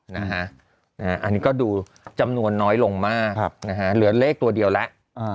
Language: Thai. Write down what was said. อันนี้ก็ดูจำนวนน้อยลงมากเหลือเลขตัวเดียวแล้ว